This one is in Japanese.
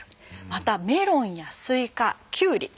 またメロンやスイカキュウリ